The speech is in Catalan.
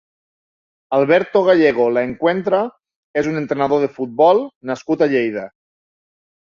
Alberto Gallego Laencuentra és un entrenador de futbol nascut a Lleida.